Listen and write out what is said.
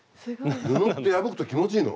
布って破くと気持ちいいの？